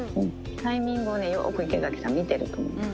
タイミングをね、よく池崎さん、見てると思う。